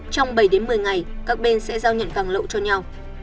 trong bảy một mươi ngày các bên sẽ giao nhận vàng lậu cho nhau